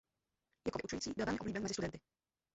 Jako vyučující byl velmi oblíben mezi studenty.